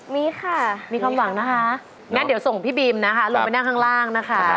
มีค่ะมีความหวังนะคะงั้นเดี๋ยวส่งพี่บิมนะคะลงไปนั่งข้างล่างนะคะ